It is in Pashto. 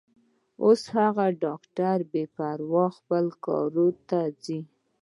اوس هغه ډاکټره بې پروا خپل کار ته ځي.